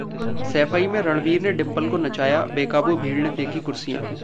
सैफई में रणवीर ने डिंपल को नचाया, बेकाबू भीड़ ने फेंकी कुर्सियां